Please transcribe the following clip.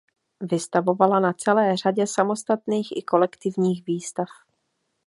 Vystavovala na celé řadě samostatných i kolektivních výstav.